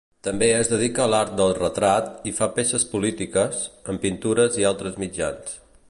També es dedica a l'art del retrat i fa peces polítiques, amb pintura i altres mitjans.